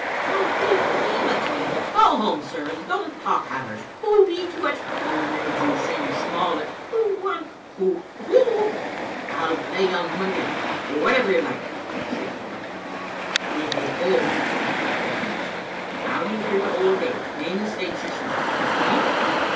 "You beat me, McQueen! Go home, sir, and don't talk havers. Who beat you at "" Who made you sing small at " "Who won " "Who " "Who " "I'll play you on Monday for whatever you like!" shrieked the doctor. "If it holds," cried the minister, "I'll be here the whole day. Name the stakes yourself. A stone?"